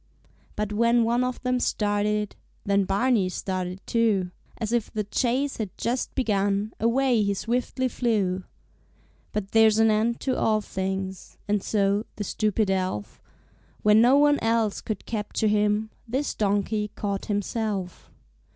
But when one of them started, Then Barney started too; As if the chase had just begun, Away he swiftly flew. But there's an end to all things, And so, the stupid elf, When no one else could capture him This donkey caught himself.